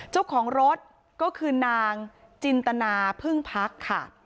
เจ้าของรถก็คือนางจินตนาพึ่งพักค่ะ